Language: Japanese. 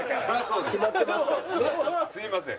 すいません。